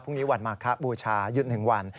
พรุ่งนี้วันมาคะบูชายุทธ์๑วัน